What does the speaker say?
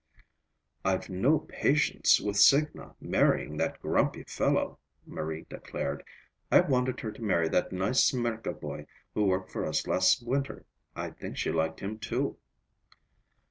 "I've no patience with Signa, marrying that grumpy fellow!" Marie declared. "I wanted her to marry that nice Smirka boy who worked for us last winter. I think she liked him, too."